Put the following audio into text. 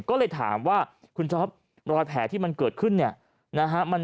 ก็เลยถามว่าคุณจ๊อบรอยแผลที่มันเกิดขึ้น